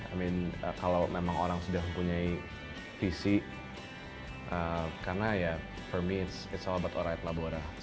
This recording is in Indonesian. i mean kalau memang orang sudah mempunyai visi karena ya for me it's all about orang yang telah berboha